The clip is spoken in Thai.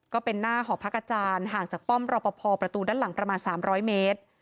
ก็เป็นหน้าหอพักอาจารย์ห่างจากป้อมรอปภประตูด้านหลังประมาณ๓๐๐เมตร